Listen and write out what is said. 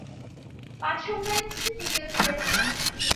পাঁচ সন্তানের মধ্যে তৃতীয় ছিলেন তিনি।